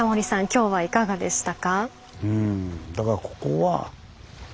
今日はいかがでしたか？